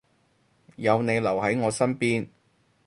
有你留喺我身邊